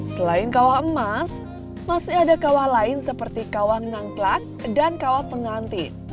selain kawah emas masih ada kawah lain seperti kawah nangklak dan kawah pengantin